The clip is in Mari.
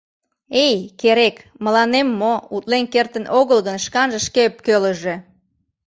Эй, керек, мыланем мо, утлен кертын огыл гын, шканже шке ӧпкелыже.